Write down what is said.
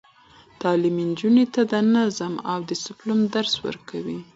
تعلیم نجونو ته د نظم او دسپلین درس ورکوي.